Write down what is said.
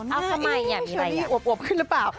น่าต้องเอี้ยชะลี่อวกขึ้นหรือเปล่า